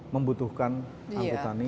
membutuhkan amputan ini